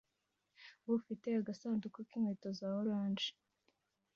ufite agasanduku k'inkweto za orange